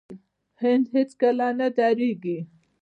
هند هیڅکله نه دریږي.